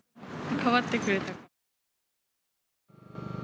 かばってくれたから。